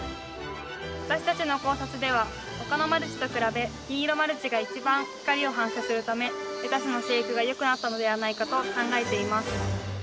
私たちの考察では他のマルチと比べ銀色マルチが一番光を反射するためレタスの生育がよくなったのではないかと考えています。